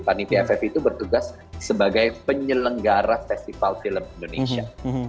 panitia ff itu bertugas sebagai penyelenggara festival film indonesia